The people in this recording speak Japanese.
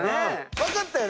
分かったよね